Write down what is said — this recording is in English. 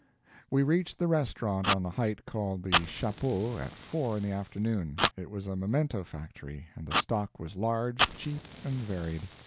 We reached the restaurant on the height called the Chapeau at four in the afternoon. It was a memento factory, and the stock was large, cheap, and varied.